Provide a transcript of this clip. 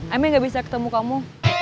amel gak bisa ketemu kamu